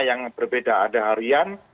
yang berbeda ada harian